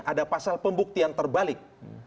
ada pasal pembuktian terbalik